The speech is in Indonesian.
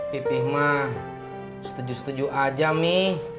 pipih mah setuju setuju aja nih